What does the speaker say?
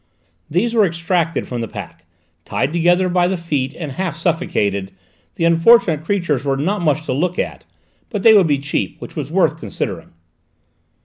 These were extracted from the pack; tied together by the feet, and half suffocated, the unfortunate creatures were not much to look at, but they would be cheap, which was worth considering.